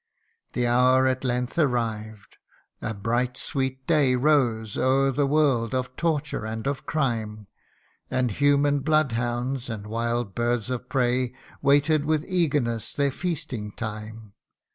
The hour at length arrived a bright sweet day Rose o'er the world of torture, and of crime ; And human blood hounds and wild birds of prey Waited with eagerness their feasting time.